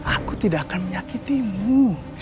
aku tidak akan menyakitimu